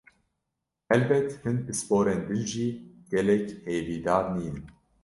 Helbet, hin pisporên din jî gelek hêvîdar nînin.